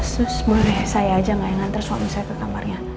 sus boleh saya aja yang nganter suami saya ke kamarnya